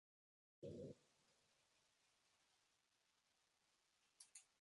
マーメイドラプソディ